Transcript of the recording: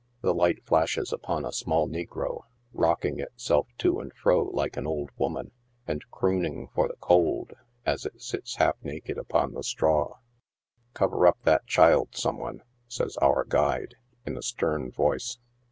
The light flashes upon a small negro, rocking itself to and fro like an old woman, and crooning for the cold as it sits half naked upon the straw. " Cover up that child, some one !" says our guide, in a stern voice.